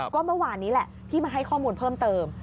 ก็เมื่อวานนี้แหละที่มาให้ข้อมูลเพิ่มเติม